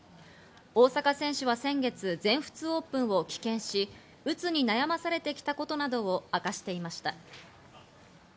大坂選手は先月全仏オープンを棄権し、うつに悩まされてきたことなどを明かしていました。